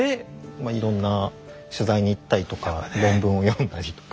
まあいろんな取材に行ったりとか論文を読んだりとか。